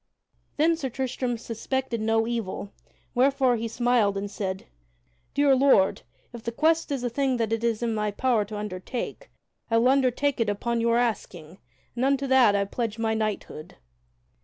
Then Sir Tristram suspected no evil, wherefore he smiled and said: "Dear Lord, if the quest is a thing that it is in my power to undertake, I will undertake it upon your asking, and unto that I pledge my knighthood."